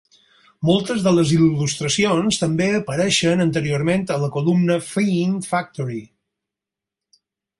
Moltes de les il·lustracions també apareixien anteriorment a la columna "Fiend Factory".